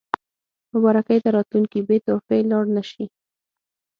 مبارکۍ ته راتلونکي بې تحفې لاړ نه شي.